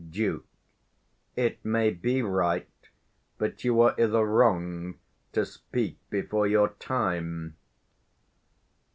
85 Duke. It may be right; but you are i' the wrong To speak before your time.